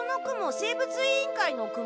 生物委員会のクモ？